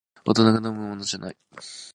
大人が飲むものじゃない